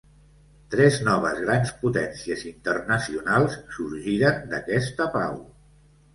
Tres noves grans potències internacionals sorgiren d'aquesta pau: